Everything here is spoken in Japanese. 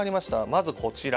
まず、こちら。